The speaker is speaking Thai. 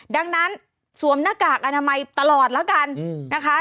ดังนั้นสวมหน้ากากอนามัยตลอดแล้วกันนะคะ